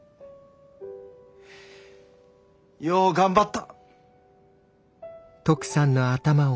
よう頑張った。